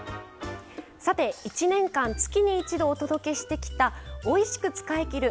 さて１年間月に一度お届けしてきた「おいしく使いきる！